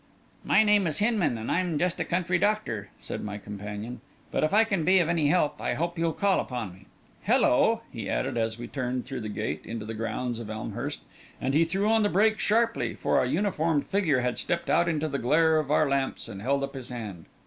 "My name is Hinman, and I'm just a country doctor," said my companion; "but if I can be of any help, I hope you'll call upon me. Hello!" he added, as we turned through the gate into the grounds of Elmhurst, and he threw on the brake sharply, for a uniformed figure had stepped out into the glare of our lamps and held up his hand.